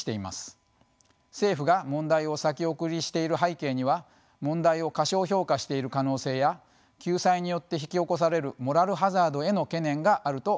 政府が問題を先送りしている背景には問題を過少評価している可能性や救済によって引き起こされるモラルハザードへの懸念があると考えています。